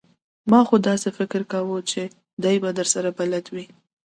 ما خو داسې فکر کاوه چې دی به درسره بلد وي!